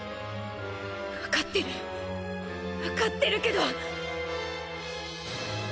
わかってるわかってるけど力が。